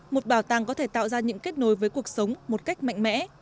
một bảo tàng có thể tạo ra những kết nối với cuộc sống một cách mạnh mẽ